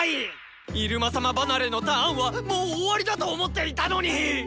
「入間様離れ」のターンはもう終わりだと思っていたのに！